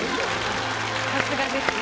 さすがですね。